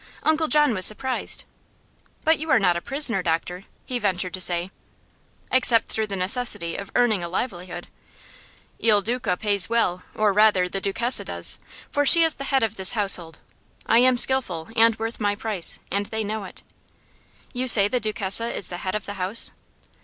Uncle John was surprised. "But you are not a prisoner, doctor," he ventured to say. "Except through the necessity of earning a livelihood. Il Duca pays well or rather the Duchessa does, for she is the head of this household. I am skillful, and worth my price, and they know it." "You say the Duchessa is the head of the house?"